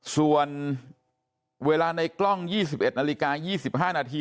ส่วนเวลาในกล้อง๒๑นาฬิกา๒๕นาที